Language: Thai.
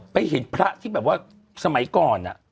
ไปเห็นภทห์ที่แบบว่าสมัยก่อน